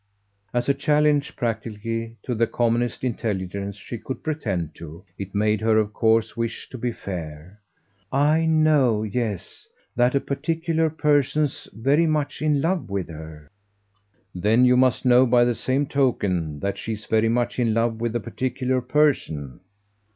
As a challenge, practically, to the commonest intelligence she could pretend to, it made her of course wish to be fair. "I 'know,' yes, that a particular person's very much in love with her." "Then you must know by the same token that she's very much in love with a particular person."